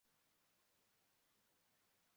Nongoreraga nti Ndi muto cyane